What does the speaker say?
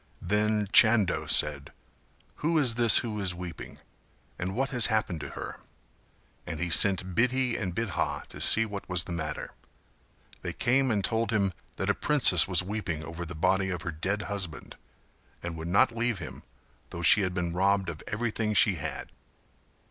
Then Chando said "who is this who is weeping and what has happened to her?" And he sent Bidhi and Bidha to see what was the matter; they came and told him that a princess was weeping over the body of her dead husband and would not leave him though she had been robbed of everything she had.